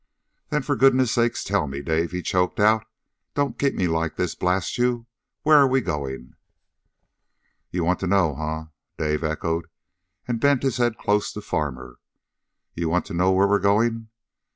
"Then for goodness' sake, tell me, Dave!" he choked out. "Don't keep me like this, blast you! Where are we going?" "You want to know, huh?" Dave echoed, and bent his head close to Farmer. "You want to know where we're going?